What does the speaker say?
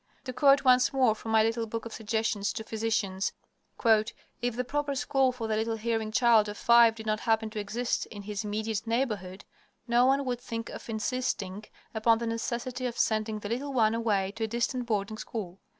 To quote once more from my little book of suggestions to physicians: "If the proper school for the little hearing child of five did not happen to exist in his immediate neighborhood, no one would think of insisting upon the necessity of sending the little one away to a distant boarding school.